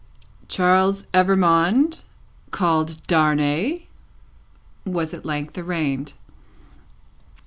"Charles Evrémonde, called Darnay," was at length arraigned.